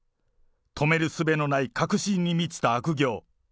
止めるすべのない確信に満ちた悪行。